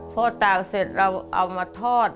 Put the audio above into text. พอตากเสร็จเราเอามาทอด